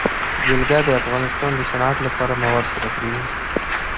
جلګه د افغانستان د صنعت لپاره مواد برابروي.